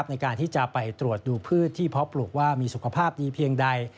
ในการที่จะไปตรวจดูพืชที่เพาะปลูกว่ามีสุขภาพดีเพียงใด